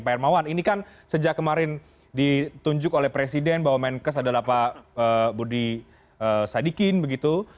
pak hermawan ini kan sejak kemarin ditunjuk oleh presiden bahwa menkes adalah pak budi sadikin begitu